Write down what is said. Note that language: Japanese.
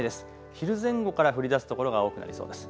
昼前後から降りだす所が多くなりそうです。